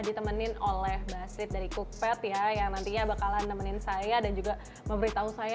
ditemenin oleh basrid dari cookpad ya yang nantinya bakalan nemenin saya dan juga memberitahu saya